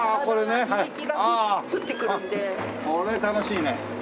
これ楽しいね。